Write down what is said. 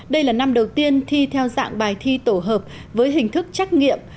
đây là năm đầu tiên thi theo dạng bài thi tổ hợp với hình thức trắc nghiệm